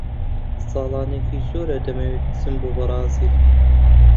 ساڵانێکی زۆرە دەمەوێت بچم بۆ بەرازیل.